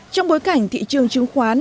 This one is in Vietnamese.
trong bối cảnh thị trường chứng khoán